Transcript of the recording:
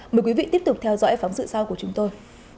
mời quý vị tiếp tục theo dõi phóng sự sau của chúng tôi